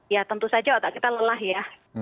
ya tentu saja otak kita lelah ya